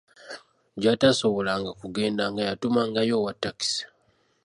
Gy'ataasobolanga kugendanga yatumangayo owa takisi!